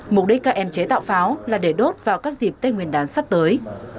mục đích các em chế tạo pháo là để đốt vào các dịp tết nguyên đán sắp tới